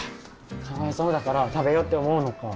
かわいそうだから食べようって思うのか。